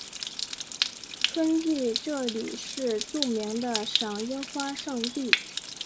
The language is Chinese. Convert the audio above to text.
春季这里是著名的赏樱花胜地。